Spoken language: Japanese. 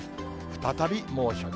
再び猛暑。